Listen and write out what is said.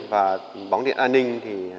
và bóng điện an ninh